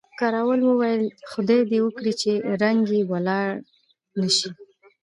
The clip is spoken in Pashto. کراول وویل، خدای دې وکړي چې رنګ یې ولاړ نه شي.